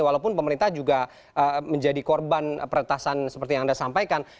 walaupun pemerintah juga menjadi korban peretasan seperti yang anda sampaikan